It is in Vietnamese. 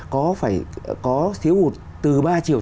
có thiếu hụt từ ba chiều